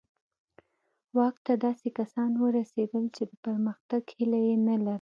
واک ته داسې کسان ورسېدل چې د پرمختګ هیله یې نه لرله.